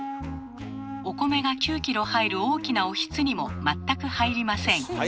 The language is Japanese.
お米が９キロ入る大きなおひつにも全く入りません。